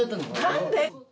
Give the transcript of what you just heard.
何で！？